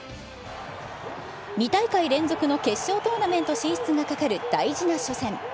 ２大会連続の決勝トーナメント進出がかかる大事な初戦。